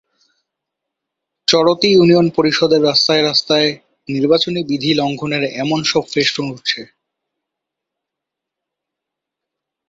চরতী union পরিষদের রাস্তায় রাস্তায় নির্বাচনী বিধি লঙ্ঘনের এমন সব ফেস্টুন উড়ছে।